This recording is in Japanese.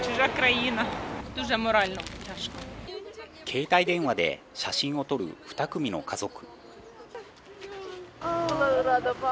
携帯電話で写真を撮る２組の家族。